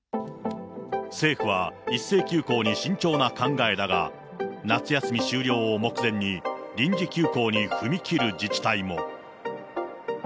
政府は一斉休校に慎重な考えだが、夏休み終了を目前に臨時休校に踏み切る自治体も。